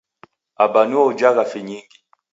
Aba nuo ujagha finyingi.